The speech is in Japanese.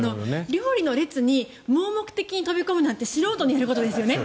料理の列に盲目的に飛び込むなんて素人のやることですよね。